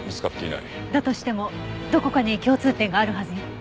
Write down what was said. だとしてもどこかに共通点があるはずよ。